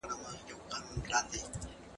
خلک د ارغنداب سیند پر غاړه میلې کوي.